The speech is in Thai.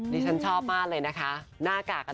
นี่ฉันชอบมากเลยนะคะหน้ากากว่า